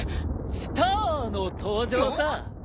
・スターの登場さ。